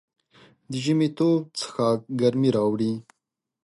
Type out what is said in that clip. د ژمي تود څښاک ګرمۍ راوړي.